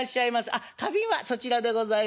あっ花瓶はそちらでございますええ。